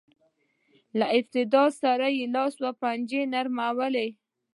له استبداد سره یې لاس و پنجه نرموله.